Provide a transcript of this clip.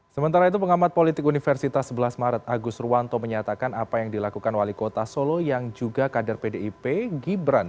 sementara itu pengamat politik universitas sebelas maret agus ruwanto menyatakan apa yang dilakukan wali kota solo yang juga kader pdip gibran